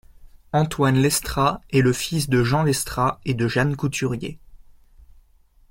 Antoine Lestra est le fils de Jean Lestra et de Jeanne Couturier.